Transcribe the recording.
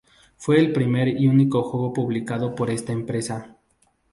Fue el primer y único juego publicado por esta empresa.